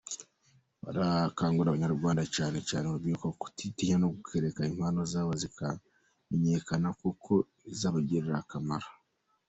Barakangurira abanyarwanda cyane cyane urubyiruko kutitinya no kureka impano zabo zikamenyekana kuko bizabagirira akamaro.